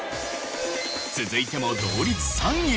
続いても同率３位。